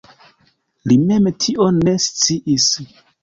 Li mem tion ne sciis.